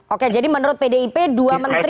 oke jadi menurut pdip dua menteri